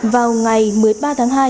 vào ngày một mươi ba tháng hai